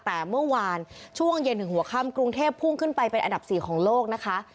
แต่เมื่อวานช่วงเย็นถึงหัวค่ำกรุงเทพพุ่งขึ้นไปเป็นอันดับ๔ของโลกนะคะ